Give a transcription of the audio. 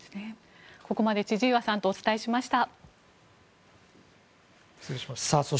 ここまで千々岩さんとお伝えしました。